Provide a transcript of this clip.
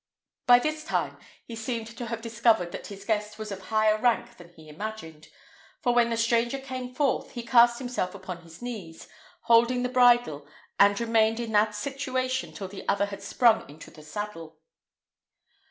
By this time, he seemed to have discovered that his guest was of higher rank than he imagined; for when the stranger came forth, he cast himself upon his knees, holding the bridle, and remained in that situation till the other had sprung into the saddle.